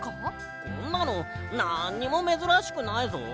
こんなのなんにもめずらしくないぞ。